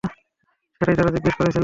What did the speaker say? সেটাই তারা জিজ্ঞেস করছিলো।